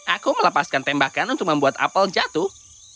aku melepaskan tembakan untuk membuat apel jatuh